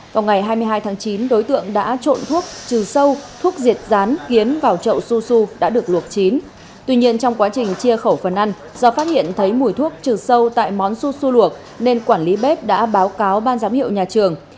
vào ngày hai mươi hai tháng chín đối tượng đã trộn thuốc trừ sâu thuốc diệt rán kiến vào chậu su su đã được luộc chín tuy nhiên trong quá trình chia khẩu phần ăn do phát hiện thấy mùi thuốc trừ sâu tại món su su luộc nên quản lý bếp đã báo cáo ban giám hiệu nhà trường